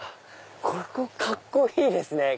ここカッコいいですね！